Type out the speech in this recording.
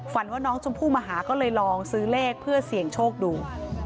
ว่าน้องชมพู่มาหาก็เลยลองซื้อเลขเพื่อเสี่ยงโชคดู